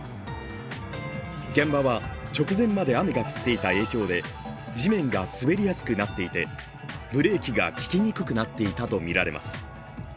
現場は直前まで雨が降っていた影響で地面が滑りやすくなっていて、ブレーキが利きにくくなっていたとみられます